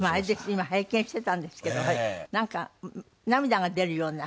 今拝見していたんですけどなんか涙が出るような。